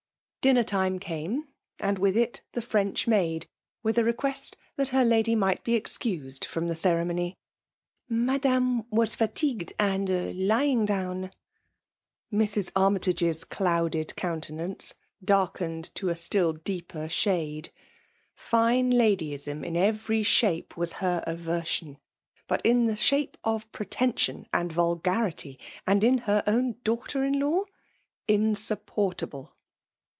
Bianer time came, and with it the Frendk maad» with a request that her lady might be CDBoued fiom Ae ceremony. ''Madame was fatagwed, and lying down.* Mrs. Armytage's doaded eomtenance darlcened to a still daqpmr shade. Ftne ladyiam in every shape ims her sversion ; bvt in the shape of prelen 28SI FlHfiaJS^POMINATiON. sion and vulgarity^ and in her own daughter* in law^ insupportable.